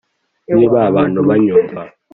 "niba abantu banyumva